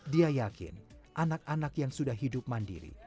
dia yakin anak anak yang sudah hidup mandiri